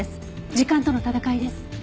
時間との闘いです。